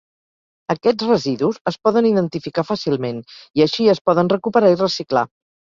Aquests residus es poden identificar fàcilment i així es poden recuperar i reciclar.